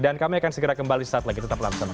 dan kami akan segera kembali saat lagi tetap langsung